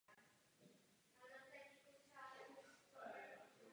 V raném středověku byly symbolem čistoty a ve vrcholném středověku symbolem bohatství.